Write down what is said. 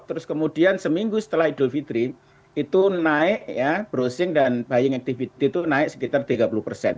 terus kemudian seminggu setelah idul fitri itu naik ya browsing dan buying activity itu naik sekitar tiga puluh persen